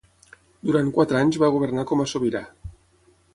Durant quatre anys va governar com a sobirà.